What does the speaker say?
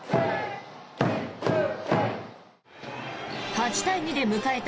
８対２で迎えた